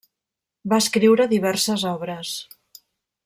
Va escriure diverses obres.